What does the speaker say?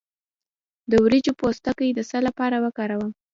د وریجو پوستکی د څه لپاره کاریږي؟